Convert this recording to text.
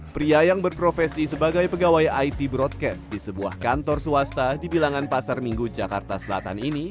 pria yang berprofesi sebagai pegawai it broadcast di sebuah kantor swasta di bilangan pasar minggu jakarta selatan ini